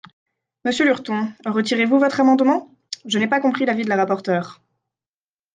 Monsieur Lurton, retirez-vous votre amendement ? Je n’ai pas compris l’avis de la rapporteure.